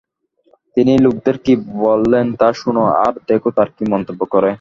তিনি লোকদের কি বলেন তা শোনো, আর দেখো তারা কী মন্তব্য করে।